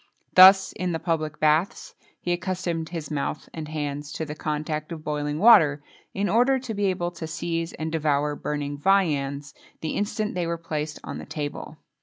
Thus, in the public baths, he accustomed his mouth and hands to the contact of boiling water, in order to be able to seize and devour burning viands, the instant they were placed on the table.